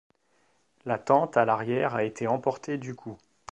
La tente, à l’arrière, a été emportée du coup.